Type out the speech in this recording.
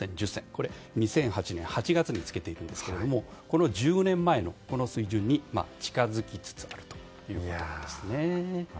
これは２００８年８月につけていますがこの１５年前の水準に近づきつつあるということです。